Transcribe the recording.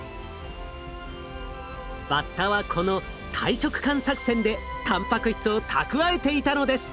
バッタはこの大食漢作戦でたんぱく質を蓄えていたのです！